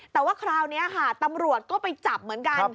แต่ว่าคราวนี้ค่ะตำรวจก็ไปจับเหมือนกัน